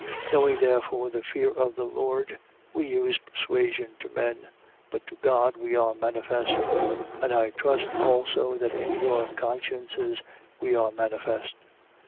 Knowing therefore the fear of the Lord, we use persuasion to men: but to God we are manifest. And I trust also that in your consciences we are manifest.